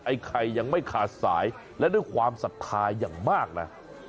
ให้ไข่ยังไม่ขาดสายและความสับทายอย่างมากนะ